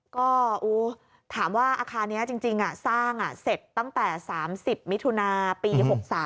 ก็ถามว่าอาคารนี้จริงสร้างเสร็จตั้งแต่๓๐มิถุนาปี๖๓